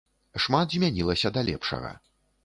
Шмат змянілася да лепшага.